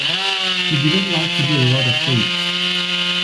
He didn't like to do a lot of takes.